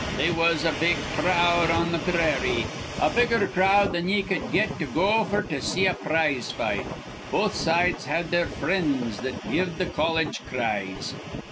They was a big crowd on th' peerary, a bigger crowd than ye cud get to go f'r to see a prize fight. Both sides had their frinds that give th' colledge cries.